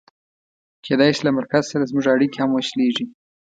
کېدای شي له مرکز سره زموږ اړیکې هم وشلېږي.